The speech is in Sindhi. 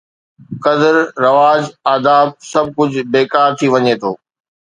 قدر، رواج، آداب، سڀ ڪجهه بيڪار ٿي وڃي ٿو.